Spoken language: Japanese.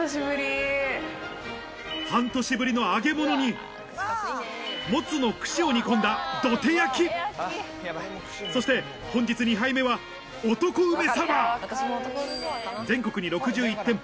半年ぶりの揚げ物にモツの串を煮込んだそして本日２杯目は全国に６１店舗